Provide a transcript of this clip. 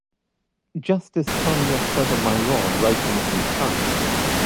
Justice Sonia Sotomayor wrote in concurrence.